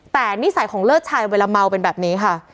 แต่นิสัยของเลิศชายเวลาเมาเป็นแบบนี้ค่ะ